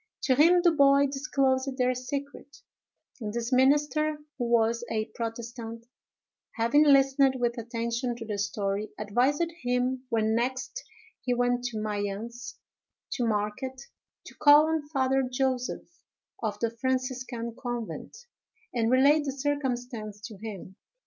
To him the boy disclosed their secret; and this minister, who was a protestant, having listened with attention to the story, advised him, when next he went to Mayence, to market, to call on Father Joseph, of the Franciscan convent, and relate the circumstance to him.